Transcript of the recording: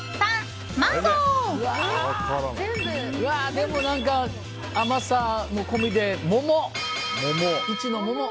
でも、甘さも込みで１の桃！